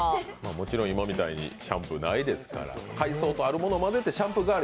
もちろん今みたいにシャンプー、ないですから海藻とあるものを混ぜてシャンプー